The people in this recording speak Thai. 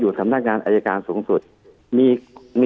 คุณหมอประเมินสถานการณ์บรรยากาศนอกสภาหน่อยได้ไหมคะ